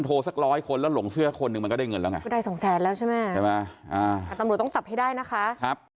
ตำรวจต้องจับให้ได้นะคะ